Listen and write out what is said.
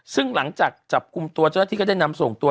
ซึ่งหลังจากจับกลุ่มตัวเจ้าหน้าที่ก็ได้นำส่งตัว